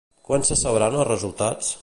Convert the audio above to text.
Quan se sabran els resultats?